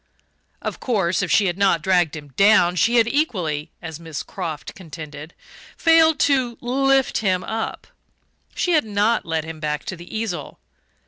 Of course, if she had not dragged him down, she had equally, as Miss Croft contended, failed to "lift him up" she had not led him back to the easel.